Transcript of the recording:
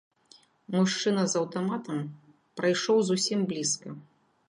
Мужчына з аўтаматам прайшоў зусім блізка.